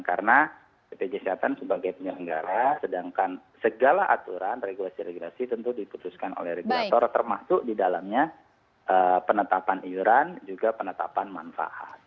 karena bpjs kesehatan sebagai penyelenggara sedangkan segala aturan regulasi regulasi tentu diputuskan oleh regulator termasuk di dalamnya penetapan iuran juga penetapan manfaat